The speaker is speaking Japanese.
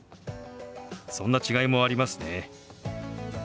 そんな違いもありますね。